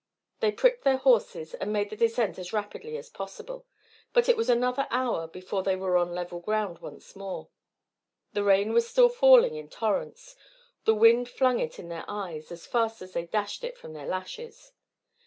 They pricked their horses and made the descent as rapidly as possible. But it was another hour before they were on level ground once more. The rain was still falling in torrents; the wind flung it in their eyes as fast as they dashed it from their lashes.